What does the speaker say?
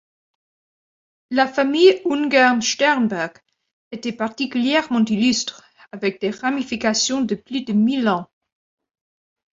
La famille Ungern-Sternberg était particulièrement illustre, avec des ramifications de plus de mille ans.